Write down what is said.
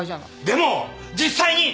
でも実際に！